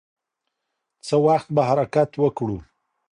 څه وخت به حرکت وکړو؟